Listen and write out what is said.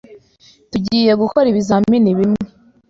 Tugiye gukora ibizamini bimwe.